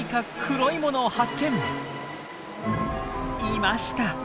いました！